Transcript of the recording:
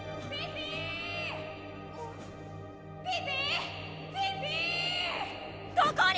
ピピ！